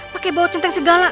pake baut centeng segala